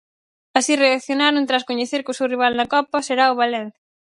Así reaccionaron tras coñecer que o seu rival na Copa: será o Valencia.